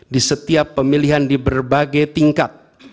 di setiap pemilihan di berbagai tingkat